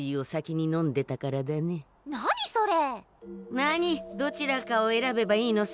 なにどちらかを選べばいいのさ。